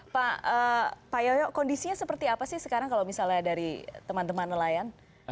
pak yoyo kondisinya seperti apa sih sekarang kalau misalnya dari teman teman nelayan